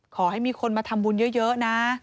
ขอให้มีคนมาทำบุญเยอะนะ